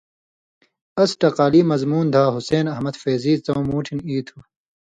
اس ٹقالی مضمون دھا حسین احمد فیضی څؤں مُوٹھِن ای تُھو